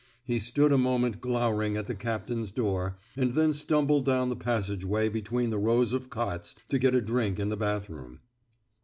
He stood a moment glowering at the captain's door, and then stumbled down the passageway between the rows of cots, to get a drink in the bathroom.